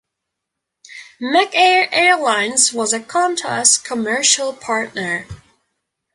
MacAir Airlines was a Qantas commercial partner.